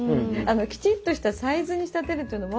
きちっとしたサイズに仕立てるというのも。